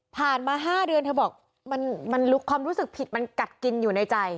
มา๕เดือนเธอบอกความรู้สึกผิดมันกัดกินอยู่ในใจ